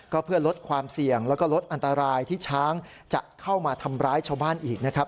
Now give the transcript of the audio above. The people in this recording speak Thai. ก็เพื่อลดความเสี่ยงแล้วก็ลดอันตรายที่ช้างจะเข้ามาทำร้ายชาวบ้านอีกนะครับ